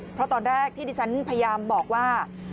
เพราะตอนแรกที่ดิฉันพยายามบอกว่า